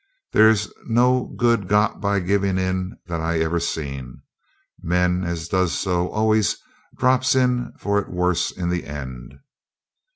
There's no good got by givin' in that I ever seen. Men as does so always drop in for it worse in the end.